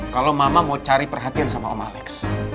kalau mama mau cari perhatian sama om alex